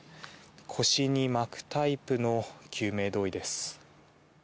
腰に巻くタイプの救命胴衣です。